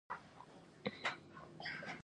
نن سبا علي په ډېرو لویو غمونو ککړ دی.